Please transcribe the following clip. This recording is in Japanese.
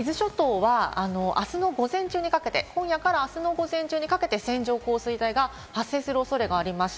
あすの午前中にかけて、今夜からあすの午前中にかけて、線状降水帯が発生する恐れがあります。